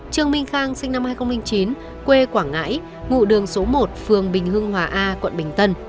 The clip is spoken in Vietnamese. trương minh khang sinh năm hai nghìn chín quê quảng ngãi ngụ đường số một phường bình hưng hòa a quận bình tân